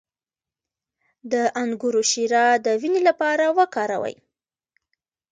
د انګور شیره د وینې لپاره وکاروئ